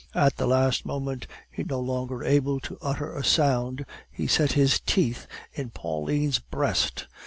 At the last moment, no longer able to utter a sound, he set his teeth in Pauline's breast.